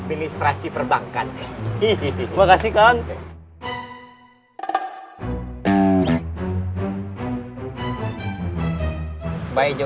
ini keempatan ambo